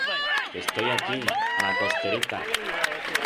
Que estoi aquí, a la costereta.